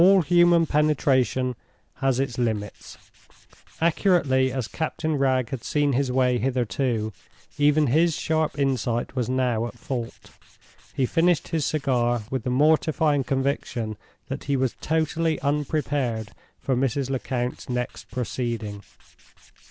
All human penetration has its limits. Accurately as Captain Wragge had seen his way hitherto, even his sharp insight was now at fault. He finished his cigar with the mortifying conviction that he was totally unprepared for Mrs. Lecount's next proceeding.